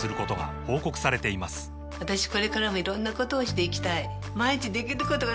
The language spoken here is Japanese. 私これからもいろんなことをしていきたい